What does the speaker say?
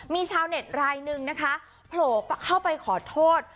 มีชาวเน็ตรายหนึ่งนะคะโผล่เข้าไปขอโทษ